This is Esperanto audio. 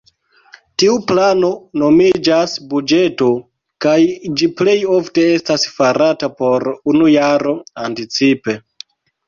Tiu plano nomiĝas buĝeto, kaj ĝi plej ofte estas farata por unu jaro anticipe.